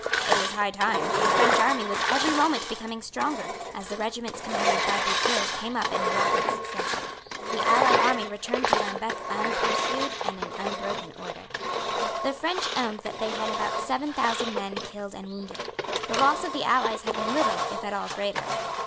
It was high time; for the French army was every moment becoming stronger, as the regiments commanded by Boufflers came up in rapid succession. The allied army returned to Lambeque unpursued and in unbroken order. The French owned that they had about seven thousand men killed and wounded. The loss of the allies had been little, if at all, greater.